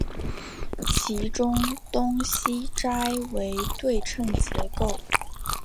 其中东西斋为对称结构。